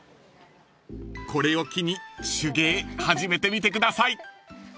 ［これを機に手芸始めてみてください］